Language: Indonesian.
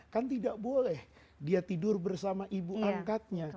dia tidak boleh tidur bersama ibu angkatnya